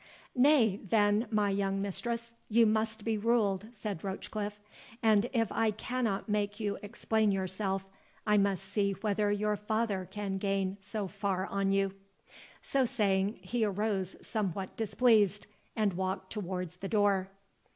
"Nay, then, my young mistress, you must be ruled," said Rochecliffe; "and if I cannot make you explain yourself, I must see whether your father can gain so far on you." So saying, he arose somewhat displeased, and walked towards the door.